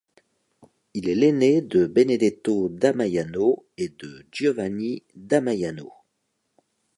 Il est l'ainé de Benedetto da Maiano et de Giovanni da Maiano.